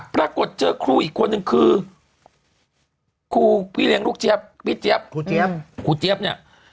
ปรากฏเจอครูอีกคนนึงคือครูพี่เลี้ยงลูกเจ๊บพี่เจ๊บครูเจ๊บเนี่ย